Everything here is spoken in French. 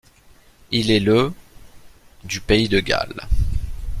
Il est le du pays de Galles.